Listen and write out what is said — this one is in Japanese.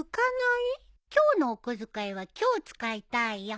今日のお小遣いは今日使いたいよ。